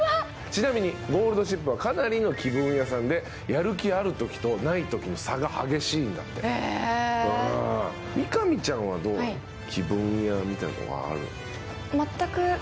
ちなみにゴールドシップはかなりの気分屋さんでやる気あるときとないときの差が激しいんだってへえ見上ちゃんはどうなの？